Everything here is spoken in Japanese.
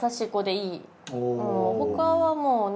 他はもうね